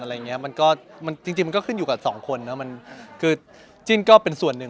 อะไรงี้มันก็มันจริงก็ขึ้นอยู่กับ๒คนน่ะมันคือจินก็เป็นส่วนหนึ่ง